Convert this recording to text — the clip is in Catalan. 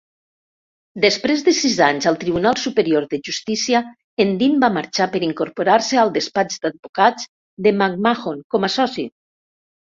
Després de sis anys al Tribunal Superior de Justícia, en Dean va marxar per incorporar-se al despatx d'advocats de McMahon com a soci.